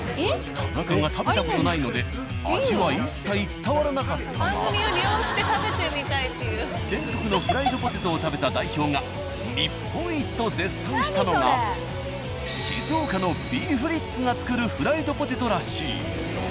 田中が食べた事ないので全国のフライドポテトを食べた代表が日本一と絶賛したのが静岡の「Ｂ−ＦＲＩＴＥＳ」が作るフライドポテトらしい。